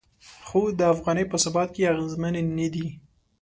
خو د افغانۍ په ثبات کې اغیزمنې نه دي.